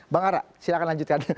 bang arak silahkan lanjutkan